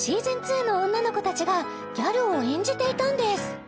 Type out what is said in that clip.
ｓｅａｓｏｎ２の女の子たちがギャルを演じていたんです